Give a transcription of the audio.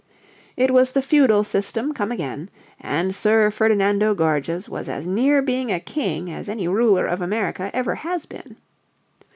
It was the feudal system come again, and Sir Ferdinando Gorges was as near being a king as any ruler of America ever has been.